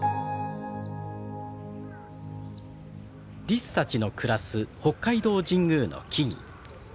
リスたちの暮らす北海道神宮の木々。